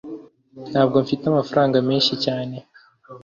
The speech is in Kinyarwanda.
Ntabwo mfite amafaranga menshi cyane